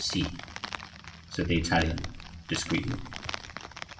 "Si," said the Italian, discreetly.